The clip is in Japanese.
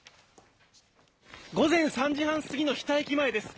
午前３時半過ぎの日田駅前です。